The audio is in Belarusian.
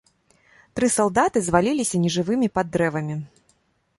Тры салдаты зваліліся нежывымі пад дрэвамі.